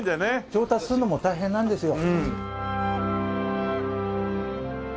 調達するのも大変なんですよ。